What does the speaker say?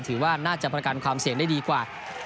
ถือว่าน่าจะประกันความเสี่ยงได้ดีกว่า